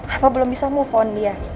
apa belum bisa move on dia